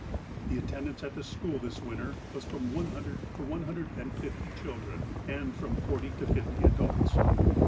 The attendance at school this winter was from one hundred to one hundred and fifty children, and from forty to fifty adults.